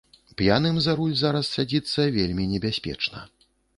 П'яным за руль зараз садзіцца вельмі небяспечна.